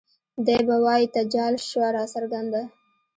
دے به وائي تجال شوه راڅرګنده